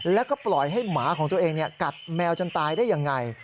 แล้วก็ปล่อยให้หมาของตัวเองกัดแมวจนตายได้ยังไง